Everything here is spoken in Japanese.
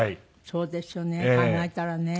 そうですよね考えたらね。